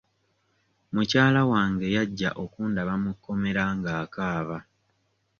Mukyala wange yajja okundaba mu kkomera ng'akaaba.